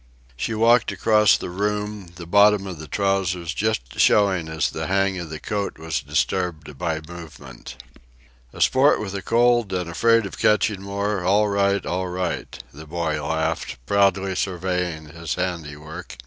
She walked across the room, the bottom of the trousers just showing as the bang of the coat was disturbed by movement. "A sport with a cold and afraid of catching more, all right all right," the boy laughed, proudly surveying his handiwork.